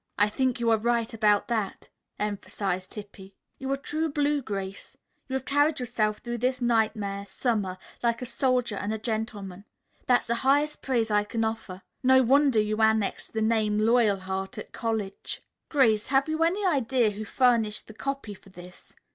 "I think you are right about that," emphasized Hippy. "You are true blue, Grace. You have carried yourself through this nightmare summer like a soldier and a gentleman. That's the highest praise I can offer. No wonder you annexed the name 'Loyalheart' at college." "Grace, have you any idea who furnished the copy for this?"